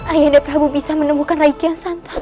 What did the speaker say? ayah nda prabu bisa menemukan raimu kian santang